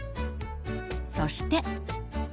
そして。